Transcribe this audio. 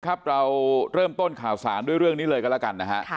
ครับเราเริ่มต้นข่าวสารด้วยเรื่องนี้เลยกันแล้วกันนะฮะ